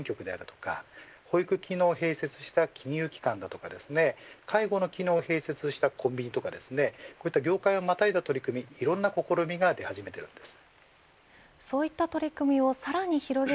すでに無人コンビニを併設した郵便局や保育機能を併設した金融機関だとか介護の機能を併設したコンビニとかこういった業界をまたいだ取り組み、いろんな試みが出始めているんです。